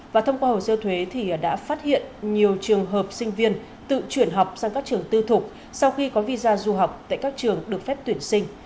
và thông qua hồ sơ thuế thì đã phát hiện nhiều trường hợp sinh viên tự chuyển học sang các trường tư thục sau khi có visa du học tại các trường được phép tuyển sinh